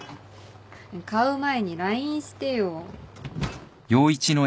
買う前に ＬＩＮＥ してよ